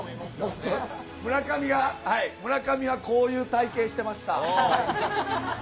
村上が、村上はこういう体形してました。